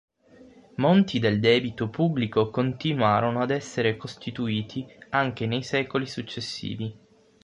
Monti del debito pubblico continuarono ad essere costituiti anche nei secoli successivi.